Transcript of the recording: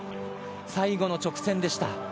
最後の直線でした。